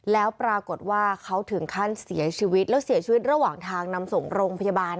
แล้วปรากฏว่าเขาถึงขั้นเสียชีวิตแล้วเสียชีวิตระหว่างทางนำส่งโรงพยาบาล